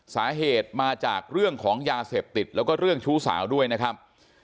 สาเหตุมาจากเรื่องของยาเสพติดแล้วก็เรื่องชู้สาวด้วยนะครับ